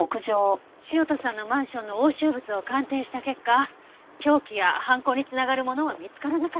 潮田さんのマンションの押収物を鑑定した結果凶器や犯行に繋がるものは見つからなかった。